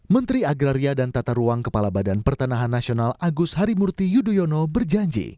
menteri agraria dan tata ruang kepala badan pertanahan nasional agus harimurti yudhoyono berjanji